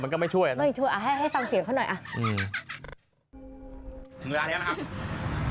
ผัดใจหรือคนจริงครับ